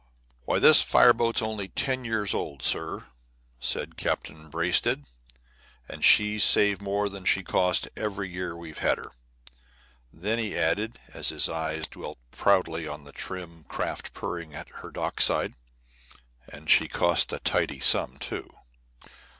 "Why, this fire boat's only ten years old, sir," said Captain Braisted, "and she's saved more than she cost every year we've had her." Then he added, as his eyes dwelt proudly on the trim craft purring at her dock side: "And she cost a tidy sum, too."